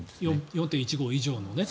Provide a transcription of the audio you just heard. ４．１５以上のね。